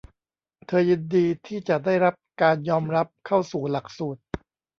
เธอยินดีที่จะได้รับการยอมรับเข้าสู่หลักสูตร